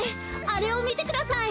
あれをみてください。